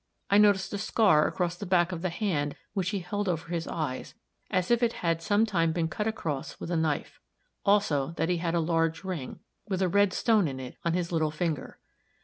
I noticed a scar across the back of the hand which he held over his eyes, as if it had sometime been cut across with a knife; also that he had a large ring, with a red stone in it, on his little finger.